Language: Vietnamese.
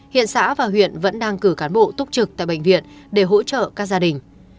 hiện xã và huyện vẫn đang cử cán bộ túc trực tại bệnh viện để hỗ trợ các gia đình